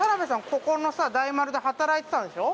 ここの大丸で働いてたんでしょう？